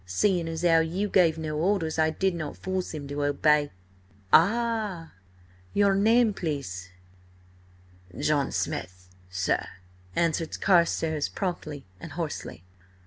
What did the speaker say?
Seeing as 'ow you gave no horders, I did not force 'im to hobey." "Ah! ... Your name, please?" "John Smith, sir," answered Carstares promptly and hoarsely.